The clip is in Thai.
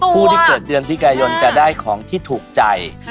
คือคือไงอะจะได้ของที่ถูกใจ